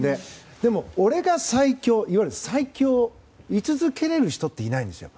でも、俺が最強いわゆる最強で居続ける人っていないんですよね。